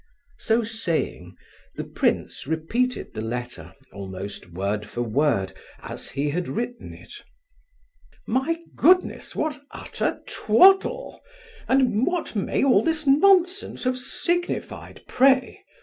So saying, the prince repeated the letter almost word for word, as he had written it. "My goodness, what utter twaddle, and what may all this nonsense have signified, pray?